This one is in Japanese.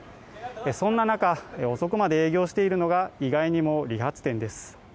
そんな中遅くまで営業しているのが、意外にも理髪店です。